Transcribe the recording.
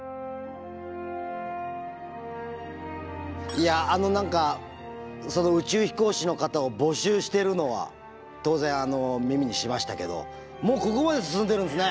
いやあの何かその宇宙飛行士の方を募集してるのは当然耳にしましたけどもうここまで進んでるんですね。